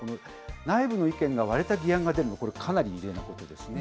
内部の意見が割れた議案が出るのは、これ、かなり異例なことですね。